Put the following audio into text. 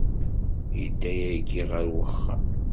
Yedda yagi ɣer wexxam.